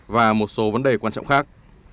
và một số vấn đề quan trọng khác